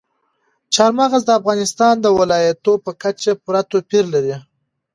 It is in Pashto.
چار مغز د افغانستان د ولایاتو په کچه پوره توپیر لري.